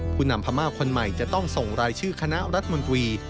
ผู้นำพม่าคนใหม่จะต้องส่งรายชื่อคณะรัฐมนตรี